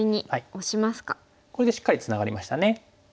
これでしっかりツナがりましたね。